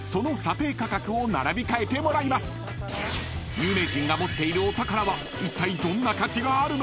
［有名人が持っているお宝はいったいどんな価値があるのか］